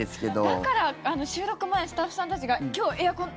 だから収録前、スタッフさんたちが今日、エアコン